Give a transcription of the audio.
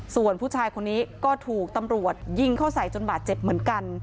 ส่วนผู้ชายคนนี้ก็ถูกตำรวจยิงเข้าใส่จนบาดเจ็บเหมือนกัน